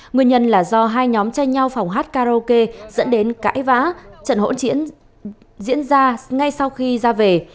nguyên nhân là do hai nhóm tranh nhau phòng hát karaoke dẫn đến cãi vã trận hỗn chiến diễn ra ngay sau khi ra về